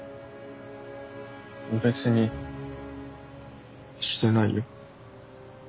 別にしてないよ。